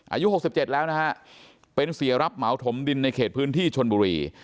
อายุ๖๗แล้วนะฮะเป็นเสียรับเหมาถมดินในเขตพื้นที่ชนบุรี